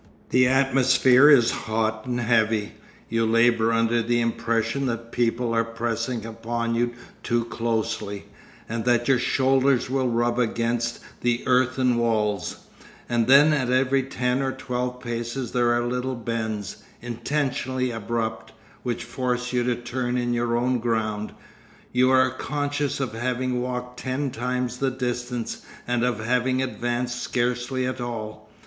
The atmosphere is hot and heavy; you labour under the impression that people are pressing upon you too closely, and that your shoulders will rub against the earthen walls; and then at every ten or twelve paces there are little bends, intentionally abrupt, which force you to turn in your own ground; you are conscious of having walked ten times the distance and of having advanced scarcely at all.